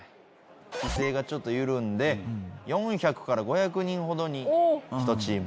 規制がちょっと緩んで４００から５００人ほどに１チーム。